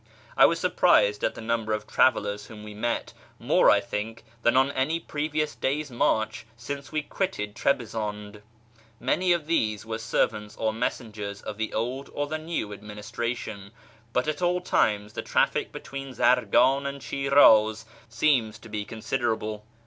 I was surprised at the num ber of travellers whom we met — more, I think, than on any previous day's march since we quitted Trebizonde. Many of these were servants or messengers of the old or the new adminis tration, but at all times the traffic between Zargan and Shiraz seems to be considerable.